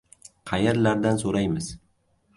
— Qayerlardan so‘raymiz?